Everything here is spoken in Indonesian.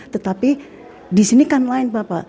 tetapi di sini kan lain bapak